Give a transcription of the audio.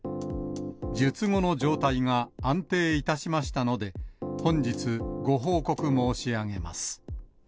術後の状態が安定いたしましたので、本日、ご報告申し上げます。